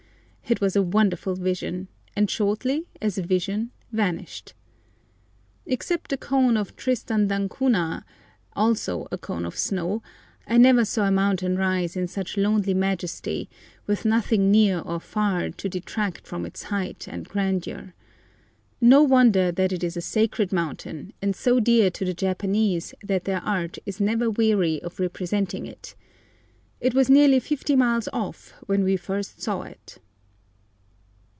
It was a wonderful vision, and shortly, as a vision, vanished. Except the cone of Tristan d'Acunha—also a cone of snow—I never saw a mountain rise in such lonely majesty, with nothing near or far to detract from its height and grandeur. No wonder that it is a sacred mountain, and so dear to the Japanese that their art is never weary of representing it. It was nearly fifty miles off when we first saw it.